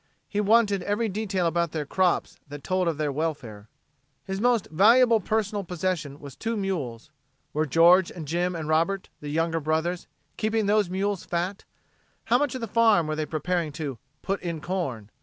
He wanted every detail about their crops that told of their welfare. His most valuable personal possession was two mules. Were George and Jim and Robert, the younger brothers, keeping those mules fat? How much of the farm were they preparing to "put in corn"?